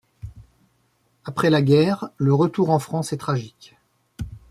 Après la guerre, le retour en France est tragique.